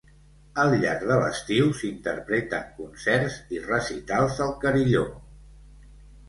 Al llarg de l'estiu, s'interpreten concerts i recitals al carilló.